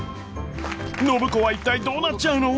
暢子は一体どうなっちゃうの？